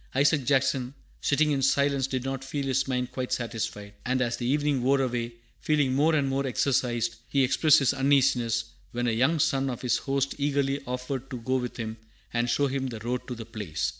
Isaac Jackson, sitting in silence, did not feel his mind quite satisfied; and as the evening wore away, feeling more and more exercised, he expressed his uneasiness, when a young son of his host eagerly offered to go with him and show him the road to the place.